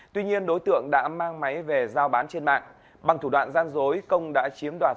tuy nhiên đối tượng đã mang máy về giao bán trên mạng bằng thủ đoạn gian dối công đã chiếm đoạt